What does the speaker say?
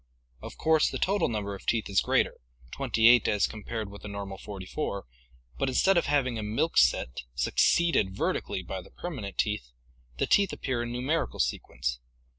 Of course the total number of teeth is greater, twenty eight as compared with the normal forty four, but instead of having a milk set, succeeded vertically by the permanent teeth, the teeth appear in numerical sequence.